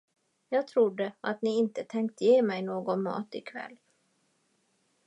Jag trodde, att ni inte tänkte ge mig någon mat i kväll.